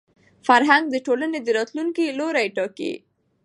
فرهنګ د ټولني د راتلونکي لوری ټاکي.